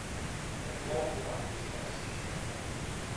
Creia la protagonista que s'hi xocarien?